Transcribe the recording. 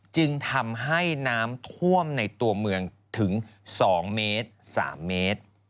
จึงทำให้น้ำท่วมในตัวเมืองถึง๒เมตร๓เมตร